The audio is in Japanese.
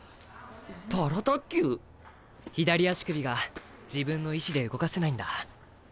左足首が自分の意思で動かせないんだ。